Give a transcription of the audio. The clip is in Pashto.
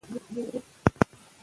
که کور ودان وي نو زړه نه خفه کیږي.